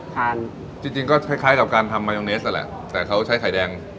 จริงจริงก็คล้ายคล้ายกับการทำมาโยเนสนั่นแหละแต่เขาใช้ไข่แดง